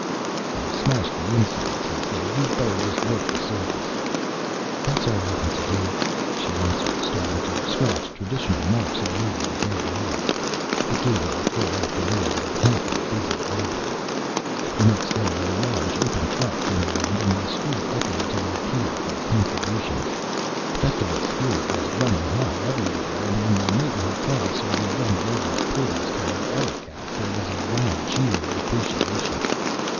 "I've smashed the insides," he said. "You'd better just work the surface." "That's all I want to do," she answered, starting to scratch traditional marks all over the dead robot. It gave her a full afternoon of happy, busy labor. The next day a large open truck came around and the street echoed to the appeal for contributions. Festival spirit was running high everywhere and when the neighborhood crowd saw the young robot porters carry Eric out there was a loud cheer of appreciation.